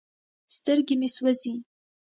سترګې مې سوزي ـ